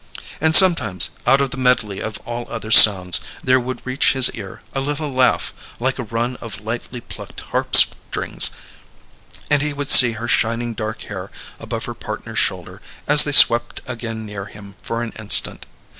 And sometimes, out of the medley of all other sounds, there would reach his ear a little laugh like a run of lightly plucked harp strings, and he would see her shining dark hair above her partner's shoulder as they swept again near him for an instant.